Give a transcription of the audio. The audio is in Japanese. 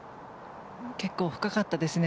結構、深かったですね。